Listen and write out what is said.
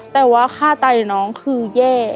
แต่ว่าค่าไตน้องคือแย่